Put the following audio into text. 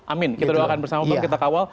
amin kita doakan bersama dan kita kawal